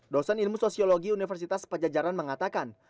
dosen ilmu sosiologi universitas pajajaran mengatakan